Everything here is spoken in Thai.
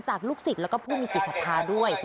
ลูกศิษย์แล้วก็ผู้มีจิตศรัทธาด้วย